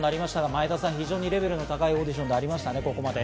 前田さん、非常にレベルが高いオーディションになりましたね。